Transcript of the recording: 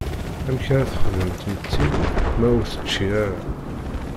Amek ara texdem tmetti ma ur tečči ara?